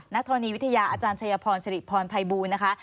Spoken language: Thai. นัทรณีวิทยาอาจารย์ชัยพรสริภรณ์พัยบูรณ์นะคะ